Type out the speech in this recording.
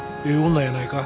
女やないか。